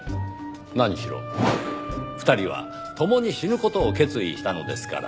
何しろ２人は共に死ぬ事を決意したのですから。